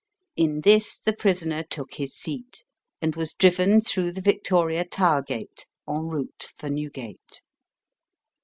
In this the prisoner took his seat, and was driven through the Victoria Tower gate en route for Newgate.